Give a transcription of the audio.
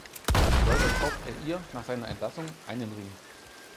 Geläutert kauft er ihr nach seiner Entlassung einen Ring.